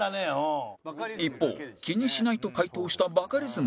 一方「気にしない」と回答したバカリズムは